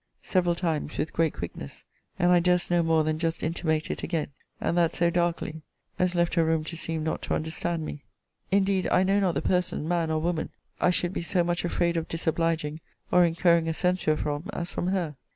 several times with great quickness; and I durst no more than just intimate it again and that so darkly, as left her room to seem not to understand me. Indeed I know not the person, man or woman, I should be so much afraid of disobliging, or incurring a censure from, as from her.